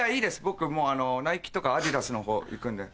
僕ナイキとかアディダスのほう行くんで。